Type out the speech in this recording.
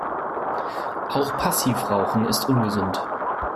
Auch Passivrauchen ist ungesund.